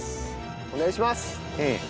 お願いします。